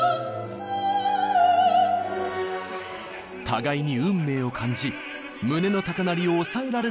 互いに運命を感じ胸の高鳴りを抑えられない２人。